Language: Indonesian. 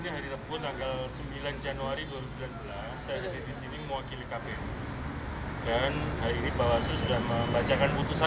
keputusan bawaslu yang menerima salinan putusan